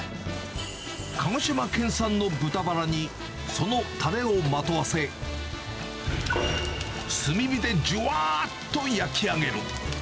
鹿児島県産の豚バラに、そのたれをまとわせ、炭火でじゅわーっと焼き上げる。